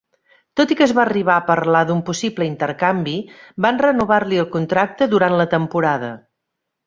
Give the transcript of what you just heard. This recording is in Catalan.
Tot i que es va arribar a parlar d'un possible intercanvi, van renovar-li el contracte durant la temporada.